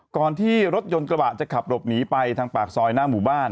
ก่อนที่รถยนต์กระบะจะขับหลบหนีไปทางปากซอยหน้าหมู่บ้าน